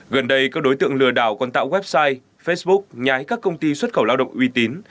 gần đây các đối tượng lừa đảo còn tạo website facebook nhái các công ty xuất khẩu lao động uy tín